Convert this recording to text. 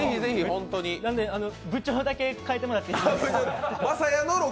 なので部長だけ変えてもらっていいですか。